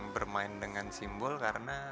bermain dengan simbol karena